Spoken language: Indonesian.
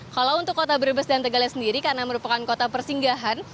kalau untuk kota brebes dan tegalnya sendiri karena merupakan kota persinggahan